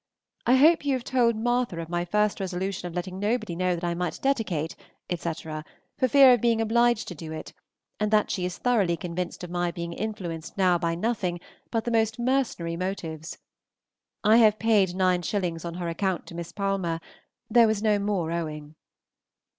I hope you have told Martha of my first resolution of letting nobody know that I might dedicate, etc., for fear of being obliged to do it, and that she is thoroughly convinced of my being influenced now by nothing but the most mercenary motives. I have paid nine shillings on her account to Miss Palmer; there was no more owing.